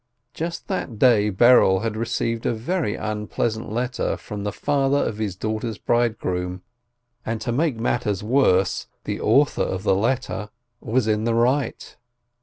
Just that day, Berel had received a very unpleasant letter from the father of his daughter's bridegroom, and to make matters worse, the author of the letter was in the right.